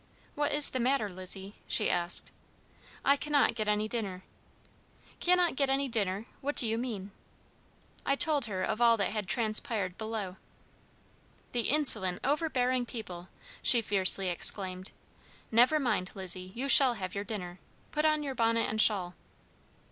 "What is the matter, Lizzie?" she asked. "I cannot get any dinner." "Cannot get any dinner! What do you mean?" I then told her of all that had transpired below. "The insolent, overbearing people!" she fiercely exclaimed. "Never mind, Lizzie, you shall have your dinner. Put on your bonnet and shawl."